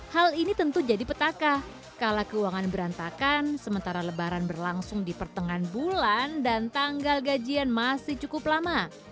hal ini tentu jadi petaka kala keuangan berantakan sementara lebaran berlangsung di pertengahan bulan dan tanggal gajian masih cukup lama